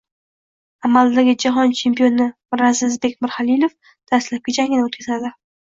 Amaldagi jahon chempioni Mirazizbek Mirzaxalilov dastlabki jangini o‘tkazadi